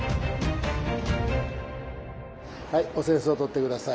お扇子を取って下さい。